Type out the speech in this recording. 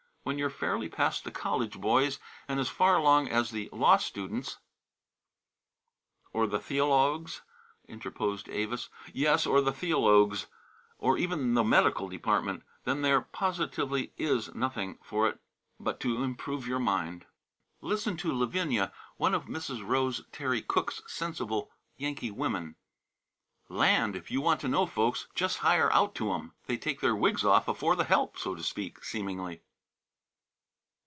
"When you're fairly past the college boys, and as far along as the law students " "Or the theologues?" interposed Avis. "Yes, or the theologues, or even the medical department; then there positively is nothing for it but to improve your mind." Listen to Lavinia, one of Mrs. Rose Terry Cooke's sensible Yankee women: "Land! if you want to know folks, just hire out to 'em. They take their wigs off afore the help, so to speak, seemingly."